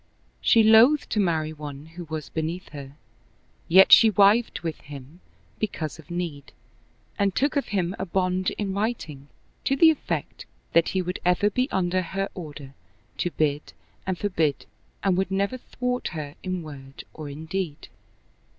She loathed to marry one who was beneath her ; yet she wived with him because of need, and took of him a bond in writing to the effect that he would ever be under her order to bid and forbid and would never thwart her in word or in deed.